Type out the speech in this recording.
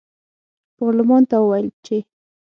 پارلمان ته وویل چې